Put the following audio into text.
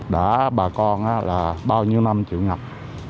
đã bà con là bao nhiêu năm chịu ngập